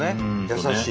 優しい。